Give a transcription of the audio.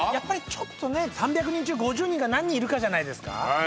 ちょっとね３００人中５０人が何人いるかじゃないですか？